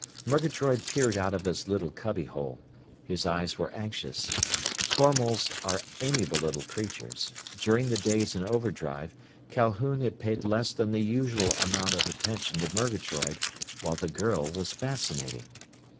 Murgatroyd peered out of his little cubbyhole. His eyes were anxious. Tormals are amiable little creatures. During the days in overdrive, Calhoun had paid less than the usual amount of attention to Murgatroyd, while the girl was fascinating.